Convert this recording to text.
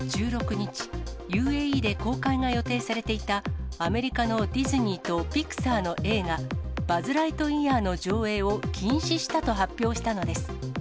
１６日、ＵＡＥで公開が予定されていた、アメリカのディズニーとピクサーの映画、バズ・ライトイヤーの上映を禁止したと発表したのです。